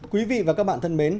quý vị và các bạn thân mến